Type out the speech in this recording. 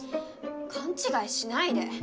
勘違いしないで！